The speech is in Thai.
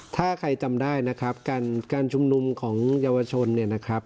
ถ้าใครจำได้นะครับการชุมนุมของเยาวชนเนี่ยนะครับ